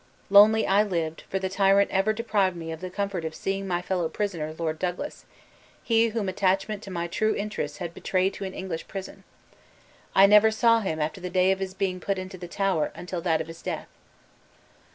Lonely I lived, for the tyrant even deprived me of the comfort of seeing my fellow prisoner, Lord Douglas he whom attachment to my true interests had betrayed to an English prison. I never saw him after the day of his being put into the Tower until that of his death."